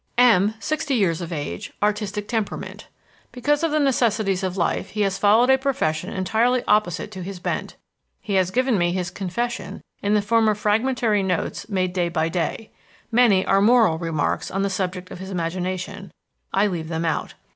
M......, sixty years of age, artistic temperament. Because of the necessities of life, he has followed a profession entirely opposite to his bent. He has given me his "confession" in the form of fragmentary notes made day by day. Many are moral remarks on the subject of his imagination I leave them out.